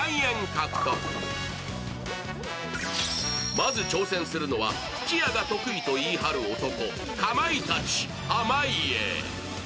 まず挑戦するのは吹き矢が得意と言い張る、かまいたち濱家。